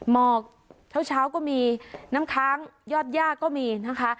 หมอกเช้าก็มีน้ำค้างยอดย่าก็มีนะคะ